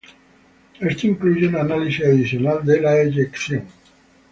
Esto incluye un análisis adicional de la “eyección”